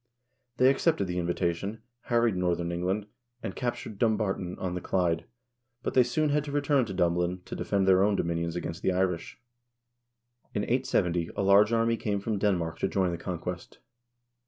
They accepted the invitation, harried north ern England, and captured Dumbarton on the Clyde; but they soon had to return to Dublin to defend their own dominions against the Irish. In 870 a large army came from Denmark to join in the con quest.